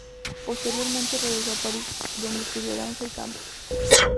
Posteriormente regresó a París, donde estudió danza y canto.